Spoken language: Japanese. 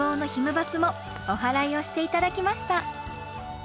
バスもおはらいをして頂きました。